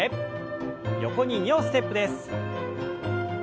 横に２歩ステップです。